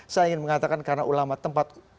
saya ingin mengatakan karena ulama tempat